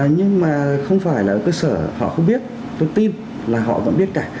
nhưng mà không phải là cơ sở họ không biết tôi tin là họ vẫn biết cả